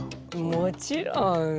もちろん！